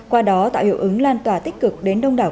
và tiêu ứng lan tỏa tích cực đến đông đảo